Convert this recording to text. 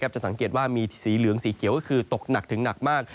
จะสังเกตว่ามีสีเหลืองสีเขียวก็คือตกหนักถึงหนักมาก